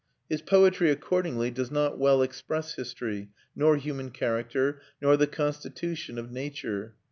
His poetry accordingly does not well express history, nor human character, nor the constitution of nature.